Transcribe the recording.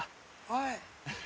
はい。